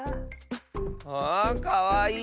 あかわいい！